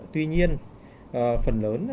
tuy nhiên phần lớn